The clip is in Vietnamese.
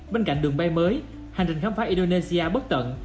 bên cạnh đường bay mới hành trình khám phá indonesia bất tận